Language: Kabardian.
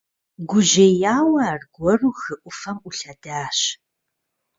Гужьеяуэ, аргуэру хы Ӏуфэм Ӏулъэдащ.